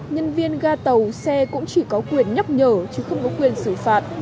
nhân viên ga tàu xe cũng chỉ có quyền nhắc nhở chứ không có quyền xử phạt